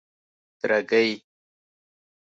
درگۍ